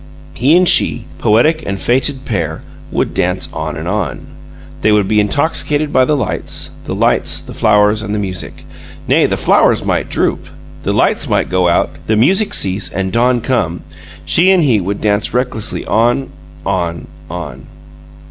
He and she, poetic and fated pair, would dance on and on! They would be intoxicated by the lights the lights, the flowers, and the music. Nay, the flowers might droop, the lights might go out, the music cease and dawn come she and he would dance recklessly on on on!